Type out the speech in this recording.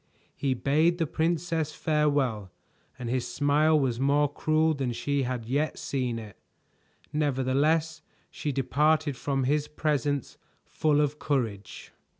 He bade the princess farewell, and his smile was more cruel than she had yet seen it. Nevertheless she departed from his presence full of courage.